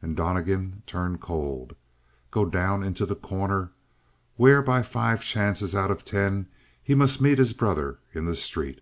And Donnegan turned cold. Go down into The Corner? Where by five chances out of ten he must meet his brother in the street?